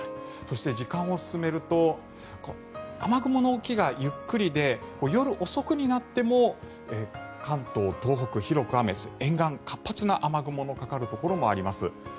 そして、時間を進めると雨雲の動きがゆっくりで夜遅くになっても関東、東北は広く雨沿岸、活発な雨雲がかかるところもあります。